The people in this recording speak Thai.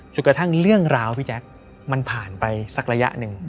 กระทั่งเรื่องราวพี่แจ๊คมันผ่านไปสักระยะหนึ่ง